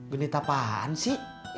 genit apaan sih